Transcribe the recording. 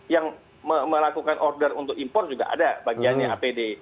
yang melakukan order untuk impor juga ada bagiannya apd